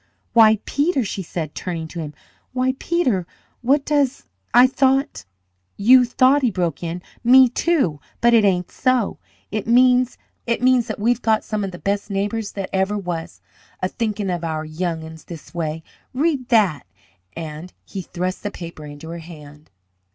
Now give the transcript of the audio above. "Why, Peter!" she said, turning to him. "Why, Peter! What does I thought " "You thought!" he broke in. "Me, too. But it ain't so. It means that we've got some of the best neighbours that ever was, a thinkin' of our young 'uns this way! Read that!" and he thrust the paper into her hand.